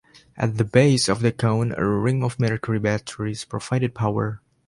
At the base of the cone a ring of mercury batteries provided power.